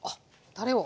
たれを。